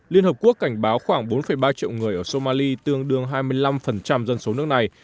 liên hợp quốc cảnh báo khoảng bốn ba triệu người ở somali tương đương hai mươi năm dân số nước này